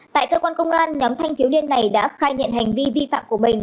tại cơ quan công an nhóm thanh thiếu niên này đã khai nhận hành vi vi phạm của mình